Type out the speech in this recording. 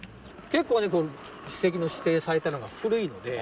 結構ね史跡の指定されたのが古いので。